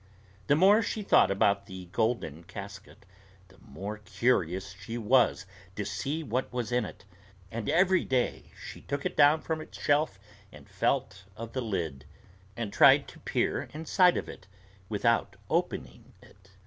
The more she thought about the golden casket, the more curious she was to see what was in it; and every day she took it down from its shelf and felt of the lid, and tried to peer inside of it without opening it.